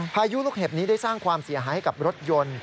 พายุลูกเห็บนี้ได้สร้างความเสียหายให้กับรถยนต์